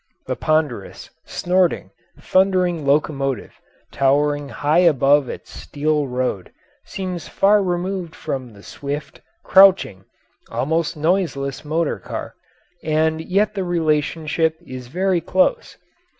The ponderous, snorting, thundering locomotive, towering high above its steel road, seems far removed from the swift, crouching, almost noiseless motor car, and yet the relationship is very close.